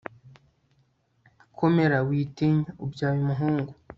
komera, witinya: ubyaye umuhungu